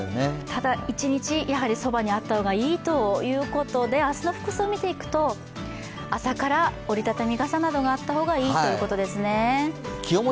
ただ、一日、そばにあった方がいいということで、明日の服装見ていくと、朝から折り畳み傘などがあった方がいいということですね。